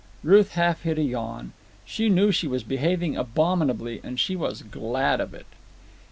Ruth half hid a yawn. She knew she was behaving abominably, and she was glad of it.